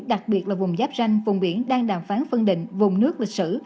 đặc biệt là vùng giáp ranh vùng biển đang đàm phán phân định vùng nước lịch sử